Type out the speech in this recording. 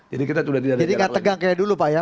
jadi gak tegang kayak dulu pak ya